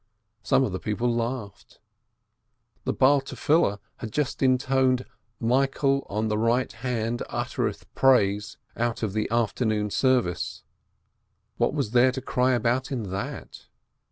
Some of the people laughed. The prayer leader had just intoned "Michael on the right hand uttereth praise," out of the Afternoon Service. What was there to cry about in that